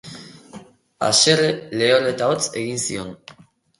Haserre, lehor eta hotz egin zion.